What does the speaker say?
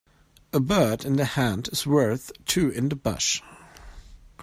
A bird in the hand is worth two in the bush.